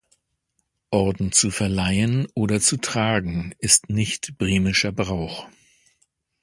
Orden zu verleihen oder zu tragen, ist nicht bremischer Brauch.